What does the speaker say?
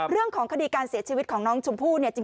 เรื่องของคดีการเสียชีวิตของน้องชมพู่เนี่ย